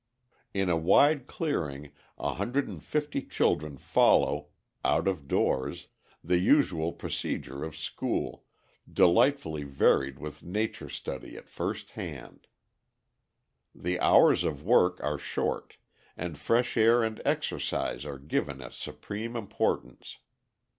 In a wide clearing 150 children follow out of doors the usual procedure of school, delightfully varied with nature study at first hand. The hours of work are short, and fresh air and exercise are given a supreme importance.